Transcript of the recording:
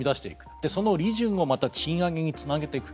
そして、その利潤をまた賃上げにつなげていく。